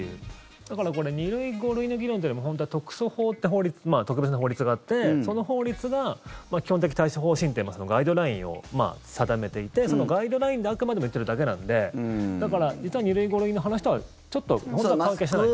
だから、これ２類、５類の議論というよりも本当は特措法って法律特別な法律があってその法律が基本的対処方針っていうガイドラインを定めていてそのガイドラインであくまでも言ってるだけなのでだから、実は２類、５類の話とはちょっと、本当は関係してない。